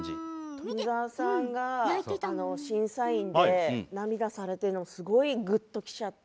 富澤さんが審査員で涙されてるのもぐっときちゃって。